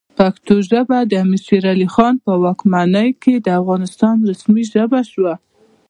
پښتو ژبه د امیر شیرعلی خان په واکمنۍ کې د افغانستان رسمي ژبه شوه.